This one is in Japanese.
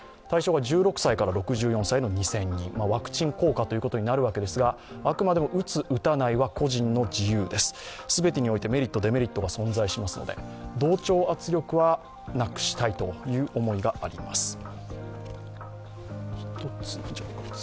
対象が１６歳から６４歳の２０００人ワクチン効果ということになるわけですが、あくまでも打つ、打たないは個人の自由です、全てにおいて、メリット・デメリットが存在しますので同調圧力はなくしたいという思いがあります。